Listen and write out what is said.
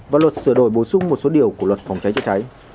và luật sửa đổi bổ sung một số điều của luật phòng cháy chữa cháy